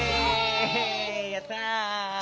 やった！